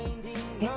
えっ？